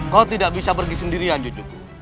kau tidak bisa pergi sendirian cucuku